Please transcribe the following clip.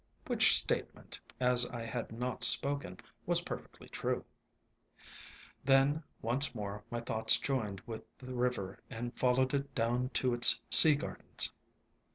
Which statement, as I had not spoken, was perfectly true. Then once more my thoughts joined with the river, and followed it down to its sea gardens.